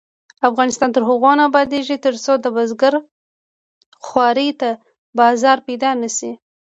افغانستان تر هغو نه ابادیږي، ترڅو د بزګر خوارۍ ته بازار پیدا نشي.